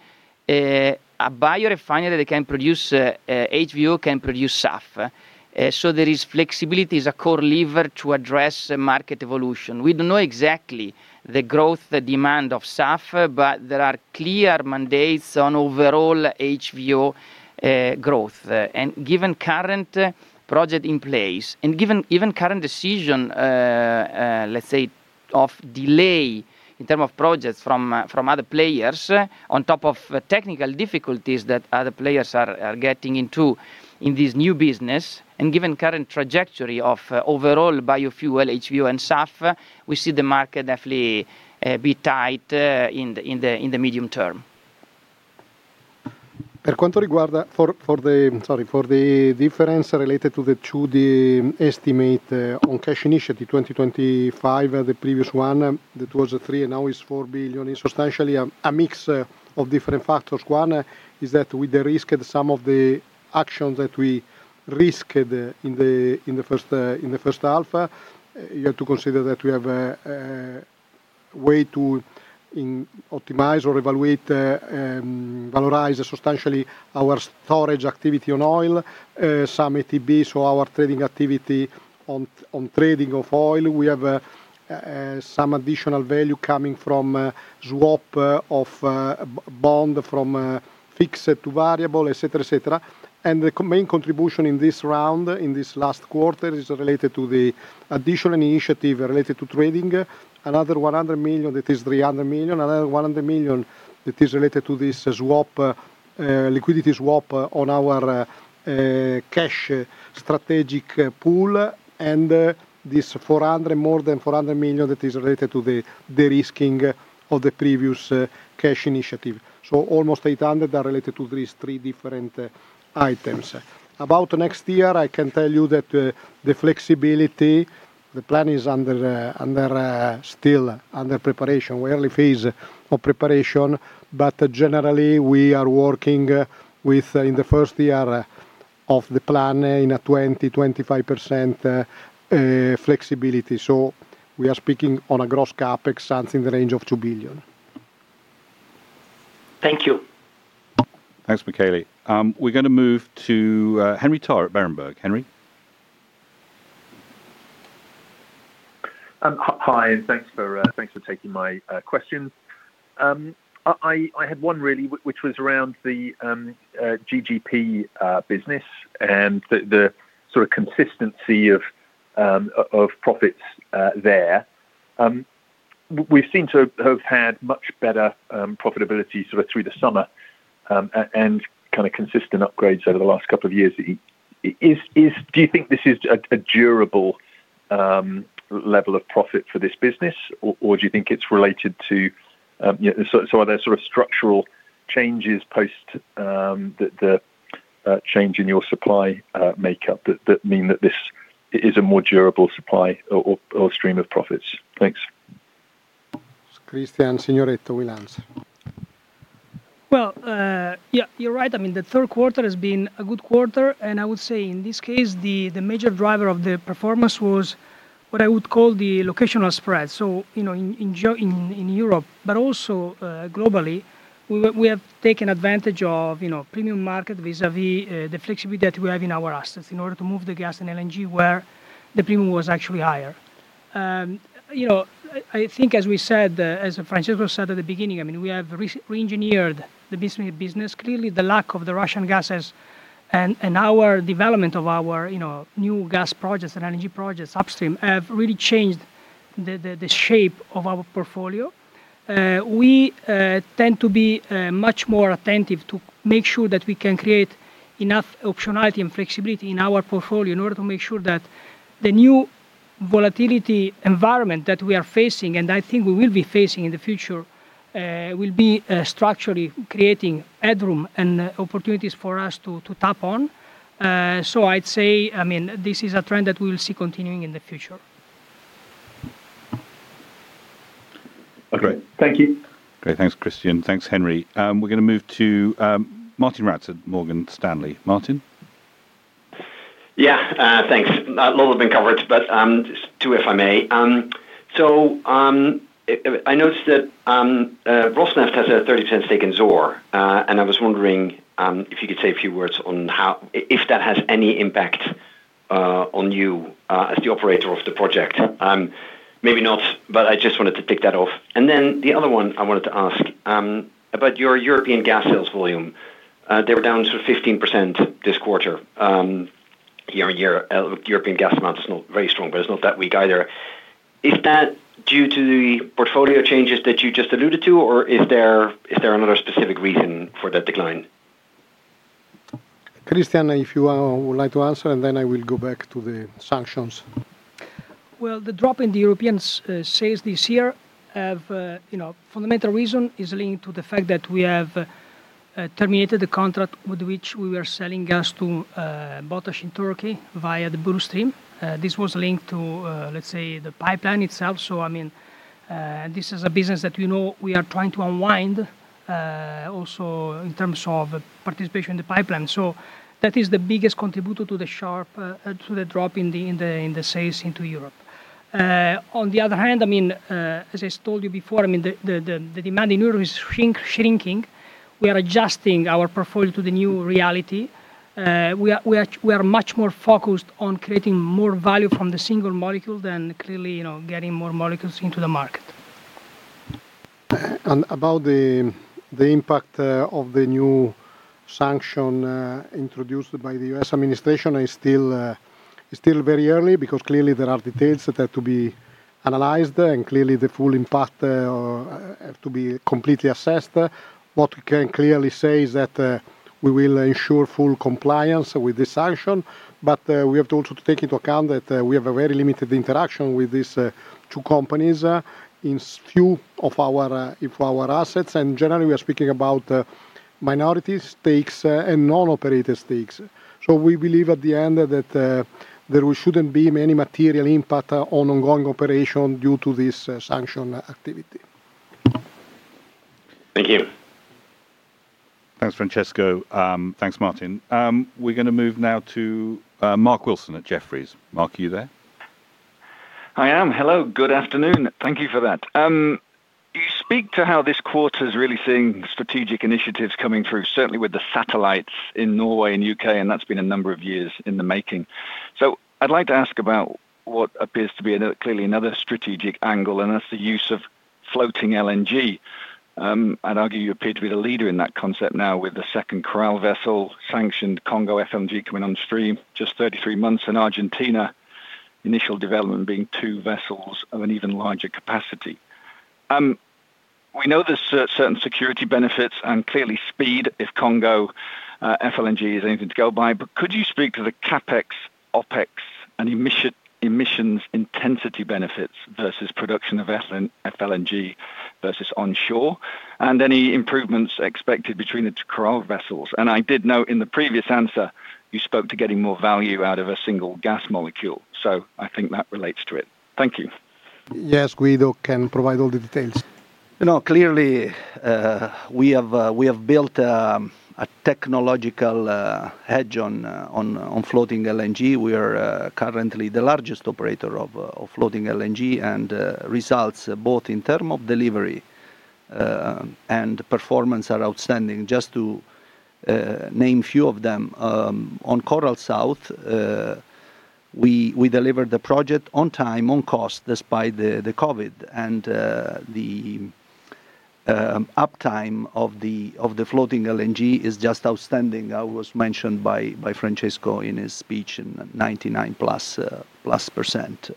a biorefinery that can produce HVO can produce SAF. There is flexibility, is a core lever to address market evolution. We don't know exactly the growth demand of SAF, but there are clear mandates on overall HVO growth. Given current projects in place, and given even current decision, let's say, of delay in terms of projects from other players, on top of technical difficulties that other players are getting into in this new business, and given current trajectory of overall biofuel, HVO, and SAF, we see the market definitely be tight in the medium term. For the difference related to the estimate on cash initiative 2025, the previous one that was $3 billion and now is $4 billion, is substantially a mix of different factors. One is that we risked some of the actions that we risked in the first half. You have to consider that we have a way to optimize or evaluate, valorize substantially our storage activity on oil, some ATB, our trading activity on trading of oil. We have some additional value coming from swap of bond from fixed to variable, etc., etc. The main contribution in this round, in this last quarter, is related to the additional initiative related to trading. Another $100 million, that is $300 million. Another $100 million that is related to this liquidity swap on our cash strategic pool. This $400 million, more than $400 million, is related to the risking of the previous cash initiative. Almost $800 million are related to these three different items. About next year, I can tell you that the flexibility, the plan is still under preparation. We're in the early phase of preparation, but generally we are working with, in the first year of the plan, in a 20-25% flexibility. We are speaking on a gross CapEx something in the range of $2 billion. Thank you. Thanks, Michaele. We're going to move to Henry Tarr at Berenberg. Henry? Hi, and thanks for taking my questions. I had one really, which was around the GGP business and the sort of consistency of profits there. We seem to have had much better profitability through the summer and kind of consistent upgrades over the last couple of years. Do you think this is a durable level of profit for this business, or do you think it's related to, are there sort of structural changes post the change in your supply makeup that mean that this is a more durable supply or stream of profits? Thanks. Christian Signoretto, we'll answer. You're right. I mean, the third quarter has been a good quarter, and I would say in this case, the major driver of the performance was what I would call the locational spread. In Europe, but also globally, we have taken advantage of premium market vis-à-vis the flexibility that we have in our assets in order to move the gas and LNG where the premium was actually higher. I think, as we said, as Francesco said at the beginning, we have re-engineered the business. Clearly, the lack of the Russian gases and our development of our new gas projects and energy projects upstream have really changed the shape of our portfolio. We tend to be much more attentive to make sure that we can create enough optionality and flexibility in our portfolio in order to make sure that the new volatility environment that we are facing, and I think we will be facing in the future, will be structurally creating headroom and opportunities for us to tap on. I'd say this is a trend that we will see continuing in the future. Great, thank you. Great, thanks, Christian. Thanks, Henry. We're going to move to Martin Ratz at Morgan Stanley. Martin? Yeah, thanks. A lot have been covered, but just two if I may. I noticed that Rosneft has a 30% stake in Zohr, and I was wondering if you could say a few words on how, if that has any impact on you as the operator of the project. Maybe not, but I just wanted to tick that off. The other one I wanted to ask about is your European gas sales volume. They were down to 15% this quarter. Here in Europe, European gas amount is not very strong, but it's not that weak either. Is that due to the portfolio changes that you just alluded to, or is there another specific reason for that decline? Christian, if you would like to answer, and then I will go back to the sanctions. The drop in the European sales this year, you know, fundamental reason is linked to the fact that we have terminated the contract with which we were selling gas to BOTAŞ in Turkey via the Blue Stream. This was linked to, let's say, the pipeline itself. I mean, this is a business that we know we are trying to unwind also in terms of participation in the pipeline. That is the biggest contributor to the sharp drop in the sales into Europe. On the other hand, as I told you before, the demand in Europe is shrinking. We are adjusting our portfolio to the new reality. We are much more focused on creating more value from the single molecule than clearly, you know, getting more molecules into the market. About the impact of the new sanction introduced by the U.S. administration, it's still very early because clearly there are details that have to be analyzed, and clearly the full impact has to be completely assessed. What we can clearly say is that we will ensure full compliance with this sanction, but we have to also take into account that we have a very limited interaction with these two companies in a few of our assets. Generally, we are speaking about minority stakes and non-operator stakes. We believe at the end that there shouldn't be any material impact on ongoing operation due to this sanction activity. Thank you. Thanks, Francesco. Thanks, Martin. We're going to move now to Mark Wilson at Jefferies. Mark, are you there? Hello, good afternoon. Thank you for that. You speak to how this quarter is really seeing strategic initiatives coming through, certainly with the satellites in Norway and UK, and that's been a number of years in the making. I'd like to ask about what appears to be clearly another strategic angle, and that's the use of floating LNG. I'd argue you appear to be the leader in that concept now with the second Coral vessel sanctioned, Congo FLNG coming on stream in just 33 months, and Argentina's initial development being two vessels of an even larger capacity. We know there's certain security benefits and clearly speed if Congo FLNG is anything to go by. Could you speak to the CapEx, OpEx, and emissions intensity benefits versus production of FLNG versus onshore, and any improvements expected between the Coral vessels? I did note in the previous answer, you spoke to getting more value out of a single gas molecule. I think that relates to it. Thank you. Yes, Guido can provide all the details. You know, clearly we have built a technological hedge on floating LNG. We are currently the largest operator of floating LNG, and results both in terms of delivery and performance are outstanding, just to name a few of them. On Coral South, we delivered the project on time, on cost, despite the COVID, and the uptime of the floating LNG is just outstanding. It was mentioned by Francesco in his speech, in 99+%.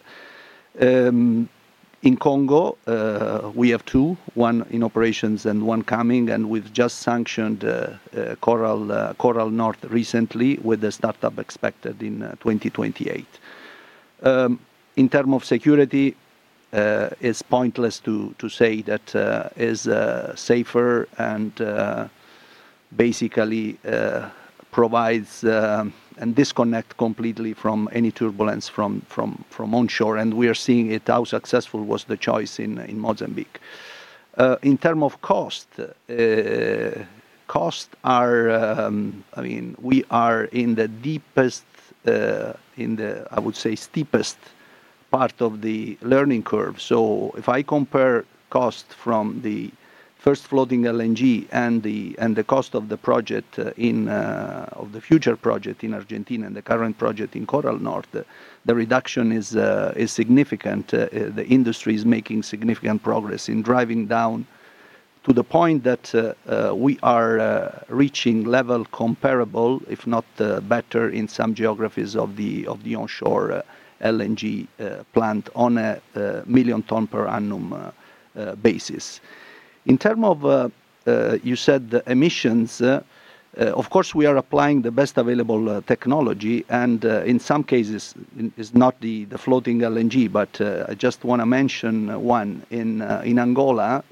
In Congo, we have two, one in operations and one coming, and we've just sanctioned Coral North recently with the startup expected in 2028. In terms of security, it's pointless to say that it's safer and basically provides a disconnect completely from any turbulence from onshore, and we are seeing it. How successful was the choice in Mozambique? In terms of cost, we are in the deepest, in the, I would say, steepest part of the learning curve. If I compare cost from the first floating LNG and the cost of the project in the future project in Argentina and the current project in Coral North, the reduction is significant. The industry is making significant progress in driving down to the point that we are reaching levels comparable, if not better, in some geographies of the onshore LNG plant on a million ton per annum basis. In terms of, you said, the emissions, of course, we are applying the best available technology, and in some cases, it's not the floating LNG, but I just want to mention one. In Angola,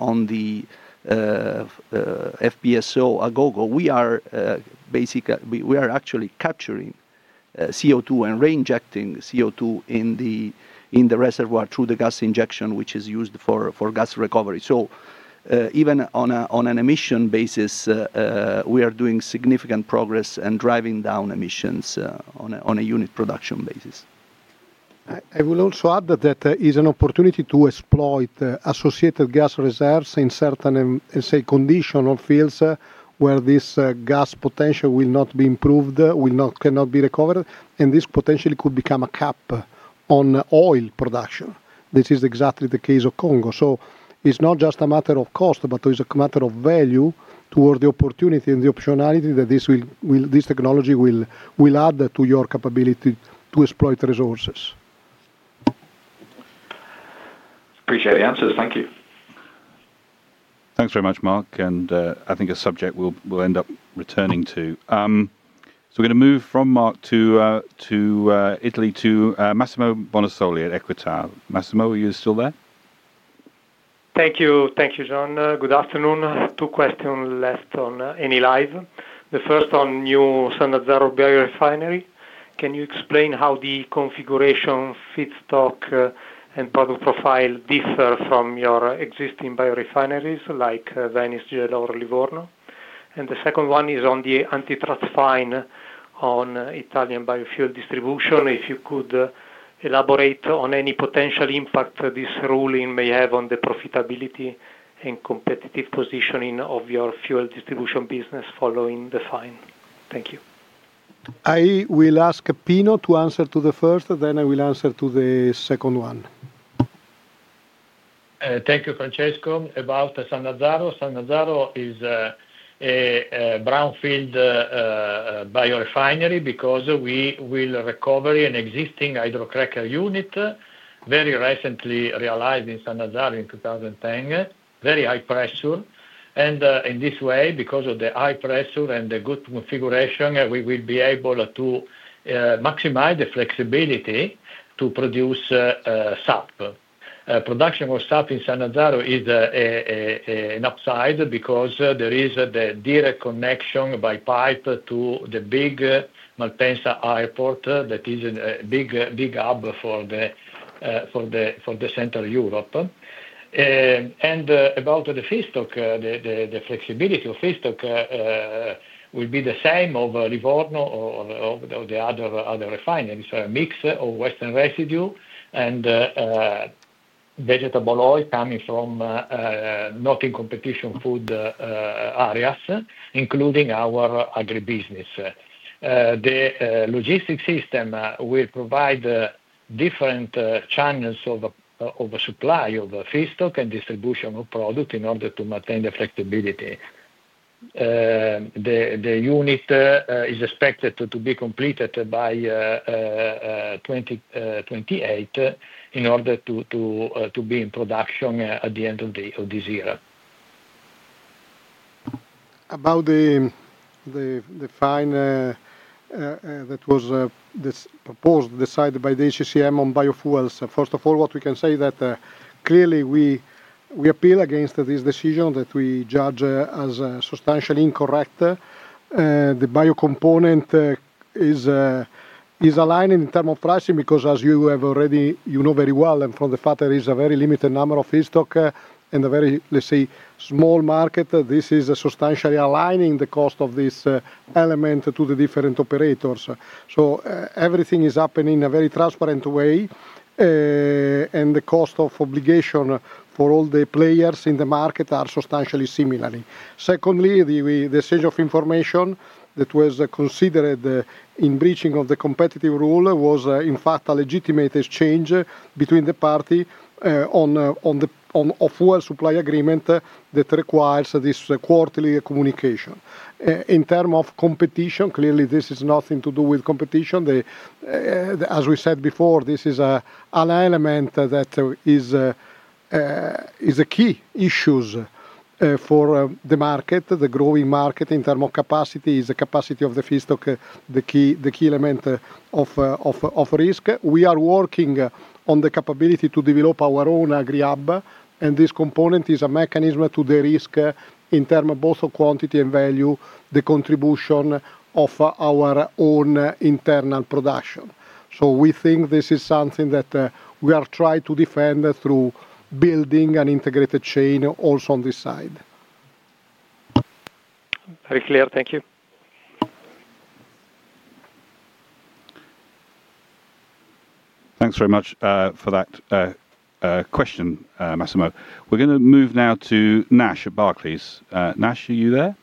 on the FPSO Agogo, we are actually capturing CO2 and re-injecting CO2 in the reservoir through the gas injection, which is used for gas recovery. Even on an emission basis, we are doing significant progress and driving down emissions on a unit production basis. I will also add that is an opportunity to exploit associated gas reserves in certain, let's say, conditional fields where this gas potential will not be improved, cannot be recovered, and this potentially could become a cap on oil production. This is exactly the case of Congo. It's not just a matter of cost, but it's a matter of value toward the opportunity and the optionality that this technology will add to your capability to exploit resources. Appreciate the answers. Thank you. Thanks very much, Mark. I think a subject we'll end up returning to. We're going to move from Mark to Italy to Massimo Bonasoli at Equital. Massimo, are you still there? Thank you, thank you, John. Good afternoon. Two questions left on Enilive. The first on new San Lazzaro biorefinery. Can you explain how the configuration, feedstock, and product profile differ from your existing biorefineries like Venice, Gela, or Livorno? The second one is on the antitrust fine on Italian biofuel distribution. If you could elaborate on any potential impact this ruling may have on the profitability and competitive positioning of your fuel distribution business following the fine. Thank you. I will ask Pino to answer the first, then I will answer the second one. Thank you, Francesco. About San Lazzaro, San Lazzaro is a brownfield biorefinery because we will recover an existing hydrocracker unit very recently realized in San Lazzaro in 2010, very high pressure. In this way, because of the high pressure and the good configuration, we will be able to maximize the flexibility to produce SAF. Production of SAF in San Lazzaro is an upside because there is the direct connection by pipe to the big Malpensa airport that is a big hub for Central Europe. About the feedstock, the flexibility of feedstock will be the same as Livorno or the other refineries, so a mix of Western residue and vegetable oil coming from not in competition food areas, including our agribusiness. The logistics system will provide different channels of supply of feedstock and distribution of product in order to maintain the flexibility. The unit is expected to be completed by 2028 in order to be in production at the end of this year. About the fine that was proposed, decided by the HCM on biofuels, first of all, what we can say is that clearly we appeal against this decision that we judge as substantially incorrect. The biocomponent is aligning in terms of pricing because, as you have already, you know very well, and from the fact that there is a very limited number of feedstock and a very, let's say, small market, this is substantially aligning the cost of this element to the different operators. Everything is happening in a very transparent way, and the cost of obligation for all the players in the market are substantially similar. Secondly, the exchange of information that was considered in breaching of the competitive rule was, in fact, a legitimate exchange between the parties on a fuel supply agreement that requires this quarterly communication. In terms of competition, clearly this is nothing to do with competition. As we said before, this is an element that is a key issue for the market. The growing market in terms of capacity is the capacity of the feedstock, the key element of risk. We are working on the capability to develop our own agri-hub, and this component is a mechanism to de-risk in terms of both quantity and value, the contribution of our own internal production. We think this is something that we are trying to defend through building an integrated chain also on this side. Very clear, thank you. Thanks very much for that question, Massimo. We're going to move now to Nash at Barclays. Nash, are you there?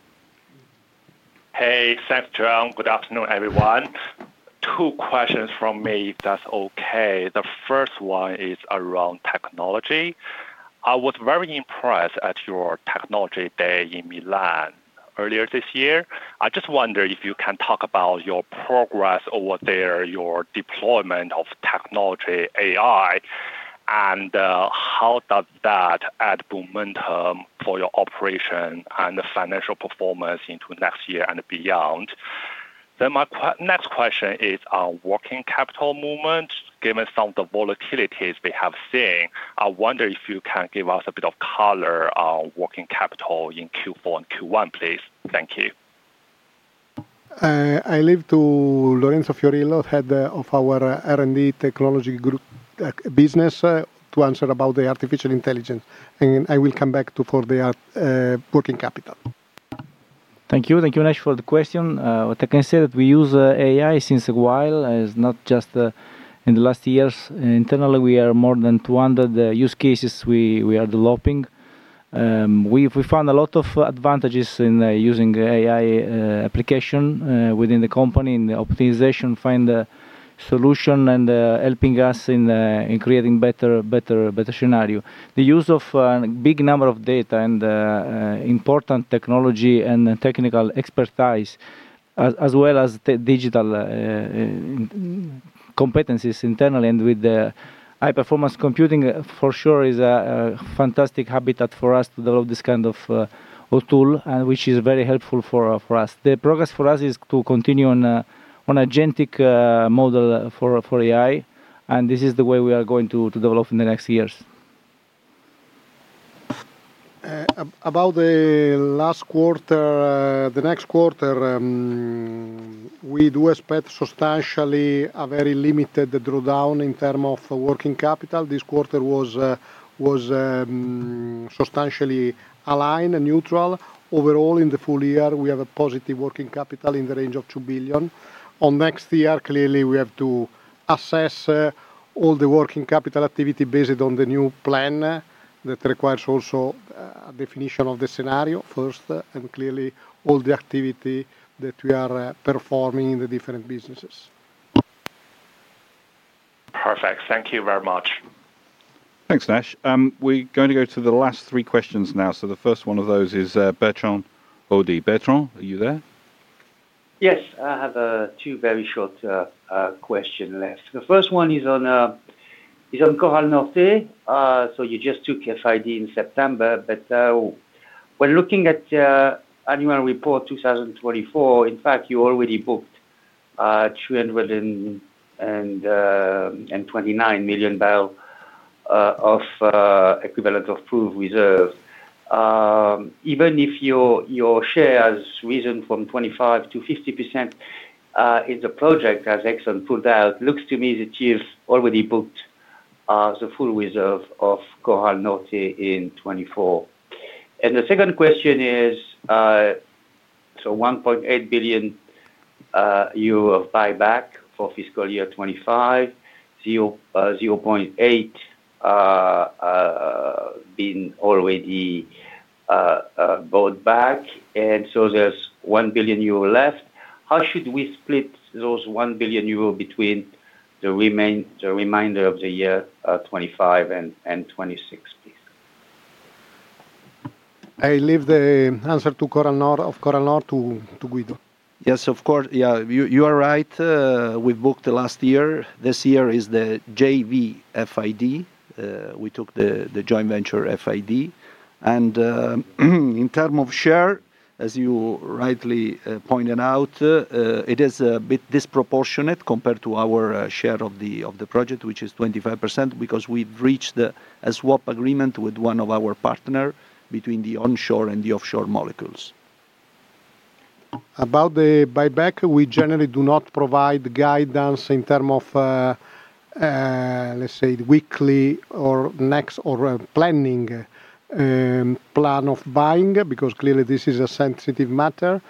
Hey, Seth Chung, good afternoon everyone. Two questions from me, if that's okay. The first one is around technology. I was very impressed at your technology day in Milan earlier this year. I just wonder if you can talk about your progress over there, your deployment of technology AI, and how does that add momentum for your operation and the financial performance into next year and beyond? My next question is on working capital movement. Given some of the volatilities we have seen, I wonder if you can give us a bit of color on working capital in Q4 and Q1, please. Thank you. I leave to Lorenzo Fiorillo, Head of our R&D Technology Group Business, to answer about the artificial intelligence, and I will come back to the working capital. Thank you. Thank you, Nash, for the question. What I can say is that we use AI since a while. It's not just in the last years. Internally, we have more than 200 use cases we are developing. We found a lot of advantages in using AI applications within the company in the optimization, finding a solution, and helping us in creating a better scenario. The use of a big number of data and important technology and technical expertise, as well as digital competencies internally and with the high-performance computing, for sure, is a fantastic habitat for us to develop this kind of tool, which is very helpful for us. The progress for us is to continue on an agentic model for AI, and this is the way we are going to develop in the next years. About the last quarter, the next quarter, we do expect substantially a very limited drawdown in terms of working capital. This quarter was substantially aligned and neutral. Overall, in the full year, we have a positive working capital in the range of $2 billion. On next year, clearly we have to assess all the working capital activity based on the new plan that requires also a definition of the scenario first, and clearly all the activity that we are performing in the different businesses. Perfect. Thank you very much. Thanks, Nash. We are going to go to the last three questions now. The first one of those is Bertrand Audi. Bertrand, are you there? Yes, I have two very short questions left. The first one is on Coral North. You just took FID in September, but when looking at the annual report 2024, in fact, you already booked 329 million barrels of equivalent of proved reserve. Even if your share has risen from 25% to 50%, the project, as Exxon put out, looks to me that you've already booked the full reserve of Coral North in 2024. The second question is, €1.8 billion of buyback for fiscal year 2025, €0.8 billion already bought back, and there's €1 billion left. How should we split those €1 billion between the remainder of the year 2025 and 2026, please? I leave the answer to Coral North to Guido. Yes, of course. You are right. We booked the last year. This year is the JV FID. We took the joint venture FID. In terms of share, as you rightly pointed out, it is a bit disproportionate compared to our share of the project, which is 25%, because we've reached a swap agreement with one of our partners between the onshore and the offshore molecules. About the buyback, we generally do not provide guidance in terms of, let's say, weekly or next or planning plan of buying, because clearly this is a sensitive matter.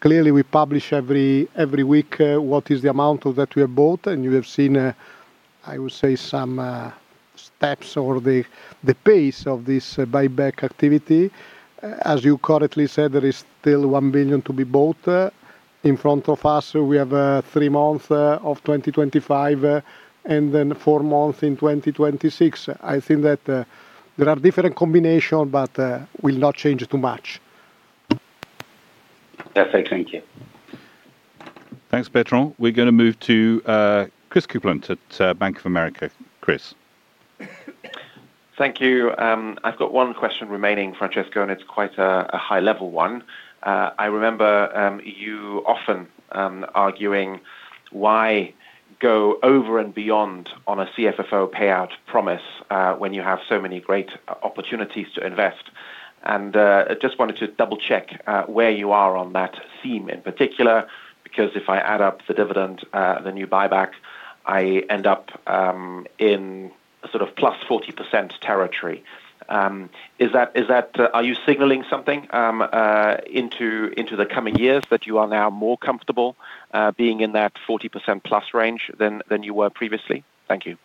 Clearly, we publish every week what is the amount that we have bought, and you have seen, I would say, some steps or the pace of this buyback activity. As you correctly said, there is still $1 billion to be bought in front of us. We have three months of 2025 and then four months in 2026. I think that there are different combinations, but we'll not change too much. Perfect, thank you. Thanks, Bertrand. We're going to move to Chris Coupland at Bank of America. Chris. Thank you. I've got one question remaining, Francesco, and it's quite a high-level one. I remember you often arguing why go over and beyond on a CFFO payout promise when you have so many great opportunities to invest. I just wanted to double-check where you are on that theme in particular, because if I add up the dividend, the new buyback, I end up in sort of plus 40% territory. Are you signaling something into the coming years that you are now more comfortable being in that 40%+ range than you were previously? Thank you.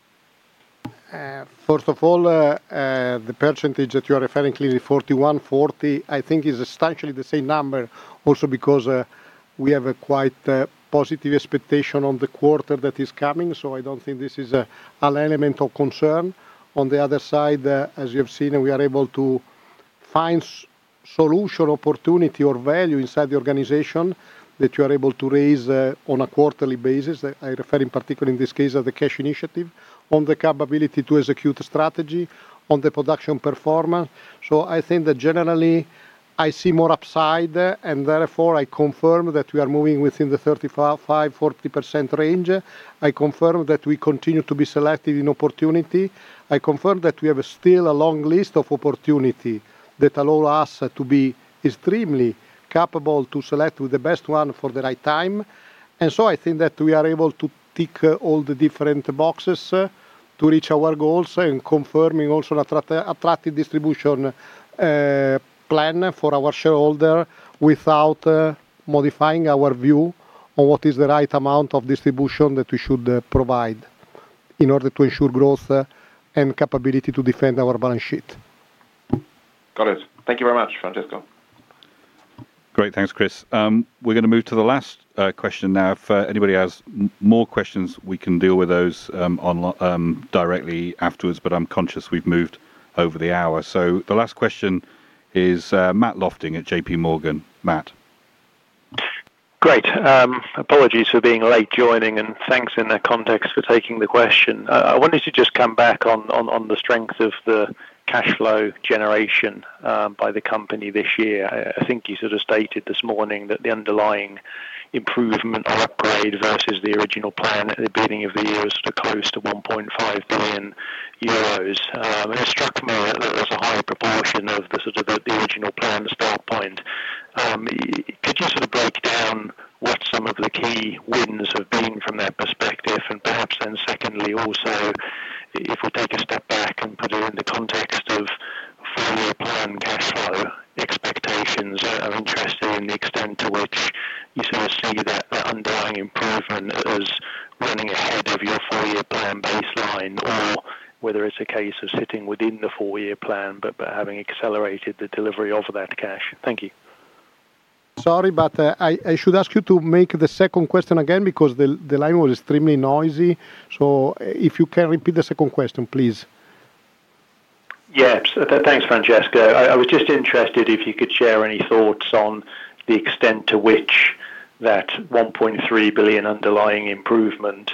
First of all, the percentage that you are referring to, 41.40%, I think is substantially the same number, also because we have a quite positive expectation on the quarter that is coming. I don't think this is an element of concern. On the other side, as you have seen, we are able to find solution opportunity or value inside the organization that you are able to raise on a quarterly basis. I refer in particular in this case of the cash initiative, on the capability to execute a strategy, on the production performance. I think that generally I see more upside, and therefore I confirm that we are moving within the 35-40% range. I confirm that we continue to be selected in opportunity. I confirm that we have still a long list of opportunity that allow us to be extremely capable to select the best one for the right time. I think that we are able to tick all the different boxes to reach our goals and confirming also an attractive distribution plan for our shareholder without modifying our view on what is the right amount of distribution that we should provide in order to ensure growth and capability to defend our balance sheet. Got it. Thank you very much, Francesco. Great, thanks, Chris. We're going to move to the last question now. If anybody has more questions, we can deal with those directly afterwards. I'm conscious we've moved over the hour. The last question is Matt Lofting at JP Morgan. Matt. Great. Apologies for being late joining, and thanks in that context for taking the question. I wanted to just come back on the strength of the cash flow generation by the company this year. I think you sort of stated this morning that the underlying improvement or upgrade versus the original plan at the beginning of the year was sort of close to €1.5 billion. It struck me that there was a higher proportion of the sort of the original plan at the start point. Could you sort of break down what some of the key wins have been from their perspective? Perhaps then, also, if we take a step back and put it in the context of four-year plan cash flow expectations, I'm interested in the extent to which you sort of see that underlying improvement as running ahead of your four-year plan baseline, or whether it's a case of sitting within the four-year plan but having accelerated the delivery of that cash. Thank you. Sorry, but I should ask you to make the second question again because the line was extremely noisy. If you can repeat the second question, please. Yeah, thanks, Francesco. I was just interested if you could share any thoughts on the extent to which that $1.3 billion underlying improvement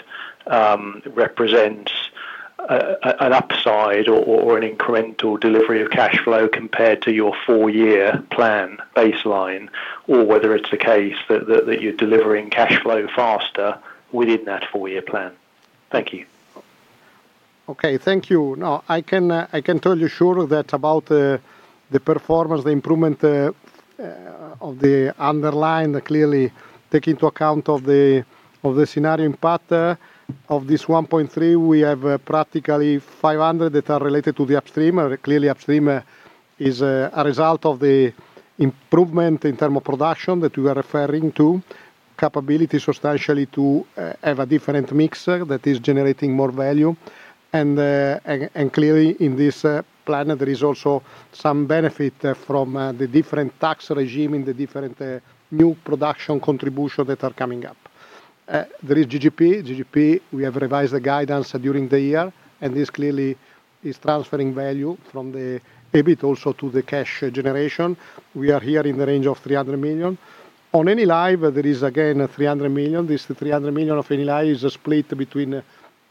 represents an upside or an incremental delivery of cash flow compared to your four-year plan baseline, or whether it's the case that you're delivering cash flow faster within that four-year plan. Thank you. Okay, thank you. Now, I can tell you sure that about the performance, the improvement of the underlying, clearly taking into account of the scenario impact of this $1.3 billion, we have practically $500 million that are related to the upstream. Clearly, upstream is a result of the improvement in terms of production that we are referring to, capability substantially to have a different mix that is generating more value. In this plan, there is also some benefit from the different. Tax regimes in the different new production contributions that are coming up. There is GGP. GGP, we have revised the guidance during the year, and this clearly is transferring value from the EBIT also to the cash generation. We are here in the range of $300 million. On Enilive, there is again $300 million. This $300 million of Enilive is a split between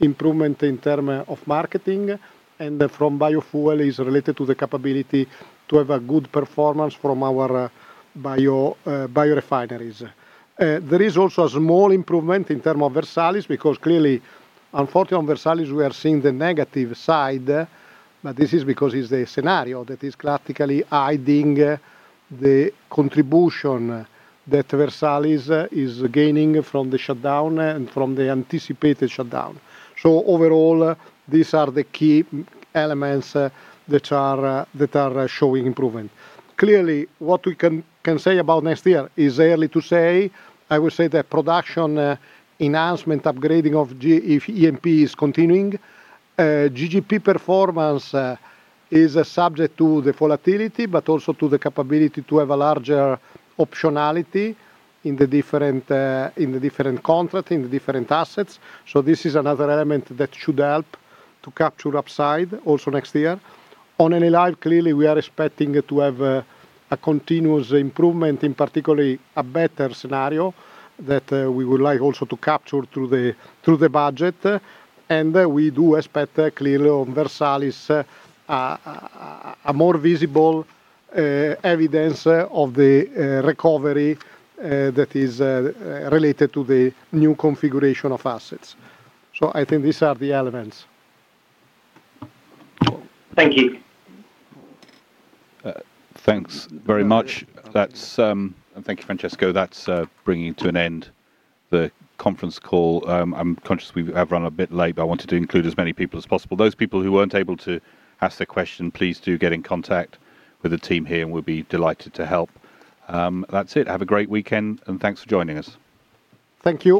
improvement in terms of marketing and from biofuel is related to the capability to have a good performance from our biorefineries. There is also a small improvement in terms of Versalis, because clearly, unfortunately, on Versalis, we are seeing the negative side. This is because it's the scenario that is classically hiding the contribution that Versalis is gaining from the shutdown and from the anticipated shutdown. Overall, these are the key elements that are showing improvement. Clearly, what we can say about next year is early to say. I would say that production enhancement, upgrading of G&P is continuing. GGP performance is subject to the volatility, but also to the capability to have a larger optionality in the different contracts, in the different assets. This is another element that should help to capture upside also next year. On Enilive, clearly, we are expecting to have a continuous improvement, in particularly a better scenario that we would like also to capture through the budget. We do expect clearly on Versalis a more visible evidence of the recovery that is related to the new configuration of assets. I think these are the elements. Thank you. Thanks very much. Thank you, Francesco. That's bringing to an end the conference call. I'm conscious we have run a bit late, but I wanted to include as many people as possible. Those people who weren't able to ask their question, please do get in contact with the team here, and we'll be delighted to help. That's it. Have a great weekend, and thanks for joining us. Thank you.